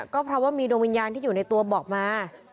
ก็เพราะว่ามีดวงวิญญาณที่อยู่ในตัวบอกมา